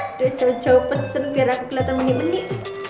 udah jauh jauh pesen biar aku kelihatan lebih mending